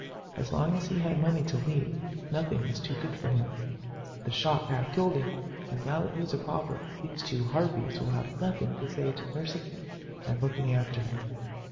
As long as he had money to leave, nothing was too good for him. The shock half killed him, and now that he's a pauper these two harpies will have nothing to say to nursing him and looking after him.